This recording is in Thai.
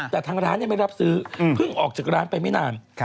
แต่ทางร้านยังไม่รับซื้อเพิ่งออกจากร้านไปไม่นาน